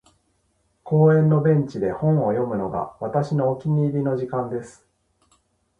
•公園のベンチで本を読むのが、私のお気に入りの時間です。